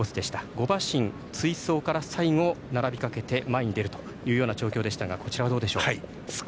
５馬身追走から最後、並びかけて前に出るという調教でしたがこちらは、どうでしょう。